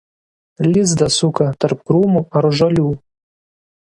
Lizdą suka tarp krūmų ar žolių.